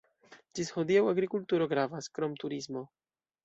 Ĝis hodiaŭ agrikulturo gravas, krom turismo.